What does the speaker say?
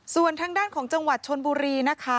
ส่วนทางด้านของจังหวัดชนบุรีนะคะ